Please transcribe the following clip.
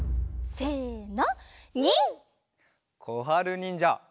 せの。